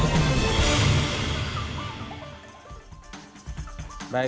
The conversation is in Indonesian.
prime news segera kembali